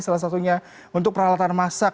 salah satunya untuk peralatan masak